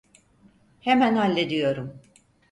Hemen hallediyorum.